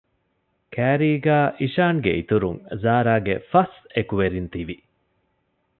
ކައިރީގައި އިޝާންގެ އިތުރުން ޒާރާގެ ފަސް އެކުވެރިން ތިވި